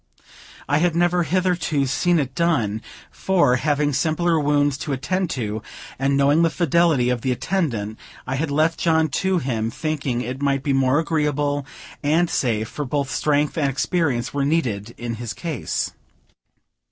I had never hitherto seen it done; for, having simpler wounds to attend to, and knowing the fidelity of the attendant, I had left John to him, thinking it might be more agreeable and safe; for both strength and experience were needed in his case.